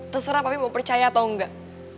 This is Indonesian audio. terserah papi mau percaya atau enggak